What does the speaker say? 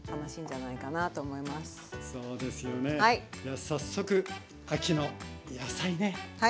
じゃあ早速秋の野菜ね。